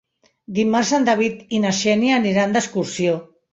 Dimarts en David i na Xènia aniran d'excursió.